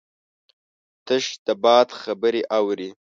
تش د باد خبرې اوري